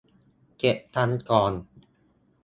เก็บตังค์ก่อน